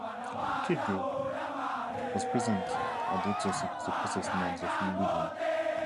Killigrew was present at the exorcism of the possessed nuns of Loudun.